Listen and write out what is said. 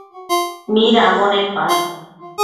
Midambo nepash?